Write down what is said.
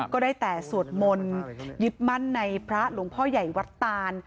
ก็ได้แต่สวดมนต์ยึดมั่นในพระหลวงพ่อใหญ่วัดตาน